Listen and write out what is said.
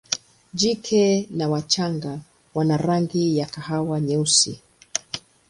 Jike na wachanga wana rangi ya kahawa nyeusi.